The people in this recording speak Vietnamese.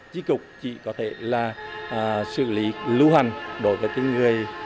chỉ cục chỉ có thể là xử lý lưu hành đối với những người